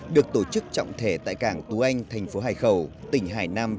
được tổ chức trọng thể tại cảng tú anh thành phố hải khẩu tỉnh hải nam